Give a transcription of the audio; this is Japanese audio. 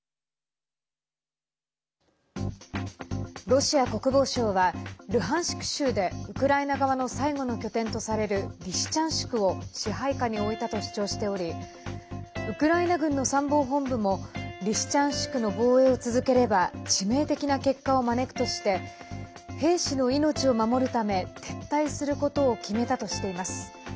ロシア国防省はルハンシク州でウクライナ側の最後の拠点とされるリシチャンシクを支配下に置いたと主張しておりウクライナ軍の参謀本部もリシチャンシクの防衛を続ければ致命的な結果を招くとして兵士の命を守るため撤退することを決めたとしています。